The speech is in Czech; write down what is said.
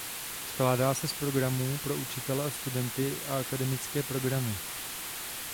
Skládá se z programů pro učitele a studenty a akademické programy.